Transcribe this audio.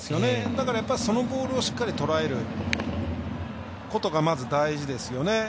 だからそのボールをしっかりとらえることがまず大事ですよね。